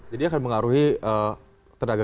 jadi akan mengaruhi tenaga kerja mereka